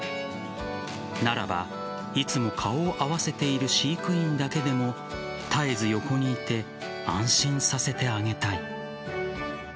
ならば、いつも顔を合わせている飼育員だけでも絶えず横にいて安心させてあげたい。